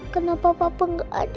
kenapa papa gak ada disini